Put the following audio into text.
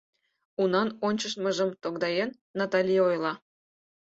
Унан ончыштмыжым тогдаен, Натали ойла: